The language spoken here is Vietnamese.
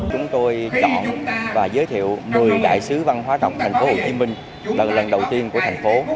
chúng tôi chọn và giới thiệu một mươi đại sứ văn hóa đọc tp hcm lần đầu tiên của thành phố